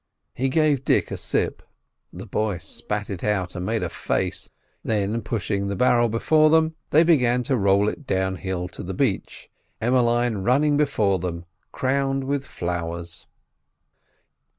He gave Dick a sip. The boy spat it out, and made a face, then, pushing the barrel before them, they began to roll it downhill to the beach, Emmeline running before them crowned with flowers.